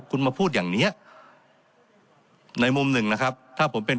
คุณมาพูดอย่างเนี้ยในมุมหนึ่งนะครับถ้าผมเป็น